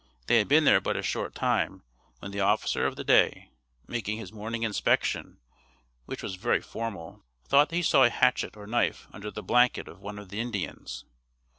They had been there but a short time when the officer of the day, making his morning inspection, which was very formal, thought that he saw a hatchet or knife under the blanket of one of the Indians.